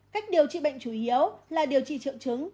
cách điều trị bệnh chủ yếu là điều trị triệu chứng